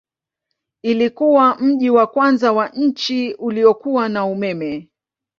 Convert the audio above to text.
Ilikuwa mji wa kwanza wa nchi uliokuwa na umeme.